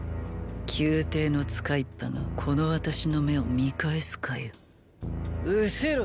宮廷の使いっぱがこの私の目を見返すかよ失せろ。